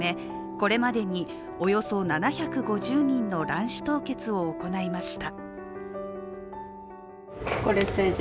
これまでにおよそ７５０人の卵子凍結を行いました。